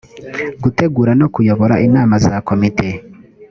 gutegura no kuyobora inama za komite